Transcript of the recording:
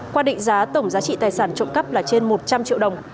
qua định giá tổng giá trị tài sản trộm cắp là trên một trăm linh triệu đồng